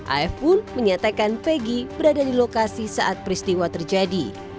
af pun menyatakan fegi berada di lokasi saat peristiwa terjadi